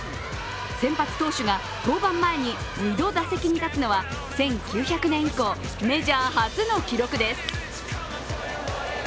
先発投手が登板前に２度打席に立つのは１９００年以降、メジャー初の記録です